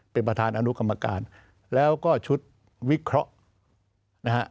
เป็นประธานอนุกรรมการแล้วก็ชุดวิเคราะห์นะฮะ